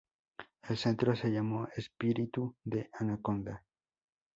El centro se llamó "Espíritu de Anaconda".